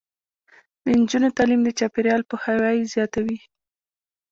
د نجونو تعلیم د چاپیریال پوهاوی زیاتوي.